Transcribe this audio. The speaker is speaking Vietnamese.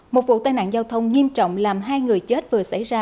một vụ tai nạn giao thông nghiêm trọng làm hai người chết vừa xảy ra